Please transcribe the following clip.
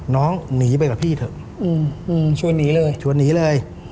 น้องหนีไปกับพี่เถอะชวนหนีเลย